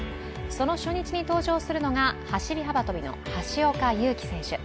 その初日に登場するのが走り幅跳びの橋岡優輝選手。